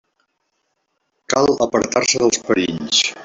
Cal apartar-se dels perills.